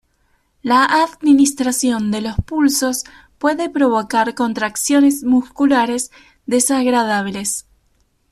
La administración de los pulsos puede provocar contracciones musculares desagradables.